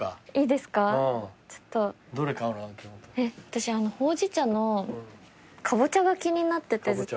私あのほうじ茶のかぼちゃが気になっててずっと。